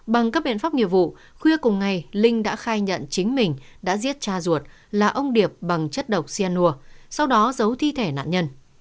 bằng các biện pháp nghiệp vụ khuya cùng ngày linh đã khai nhận chính mình đã giết cha ruột là ông điệp bằng chất độc cyanur sau đó giấu thi thể nạn nhân